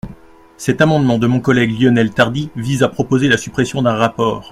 Cet amendement de mon collègue Lionel Tardy vise à proposer la suppression d’un rapport.